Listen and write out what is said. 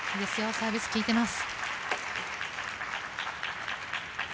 サービス効いてます。